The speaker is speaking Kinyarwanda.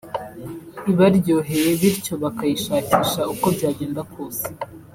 ibaryoheye bityo bakayishakisha uko byagenda kose